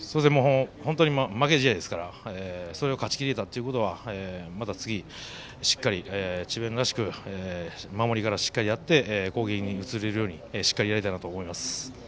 負け試合ですからそれを勝ち切れたことはまた次、しっかり智弁らしく守りからしっかりやって攻撃に移れるようにしっかりやりたいなと思います。